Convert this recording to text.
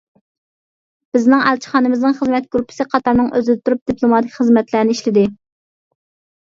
بىزنىڭ ئەلچىخانىمىزنىڭ خىزمەت گۇرۇپپىسى قاتارنىڭ ئۆزىدە تۇرۇپ دىپلوماتىك خىزمەتلەرنى ئىشلىدى.